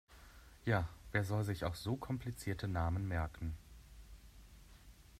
Ja, wer soll sich auch so komplizierte Namen merken!